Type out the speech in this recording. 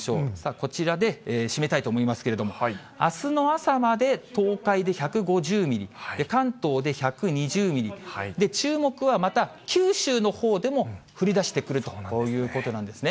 こちらで締めたいと思いますけれども、あすの朝まで東海で１５０ミリ、関東で１２０ミリ、注目はまた、九州のほうでも降りだしてくるということなんですね。